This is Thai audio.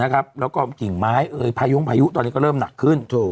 แล้วก็กิ่งไม้พาย้งพายุตอนนี้ก็เริ่มหนักขึ้น